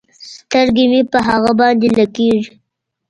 سترګې مې په هغه باندې لګېږي.